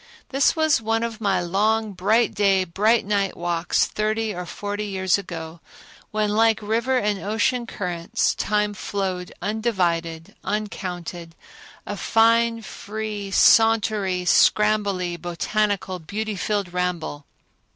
This was one of my long, bright day and bright night walks thirty or forty years ago when, like river and ocean currents, time flowed undivided, uncounted—a fine free, sauntery, scrambly, botanical, beauty filled ramble.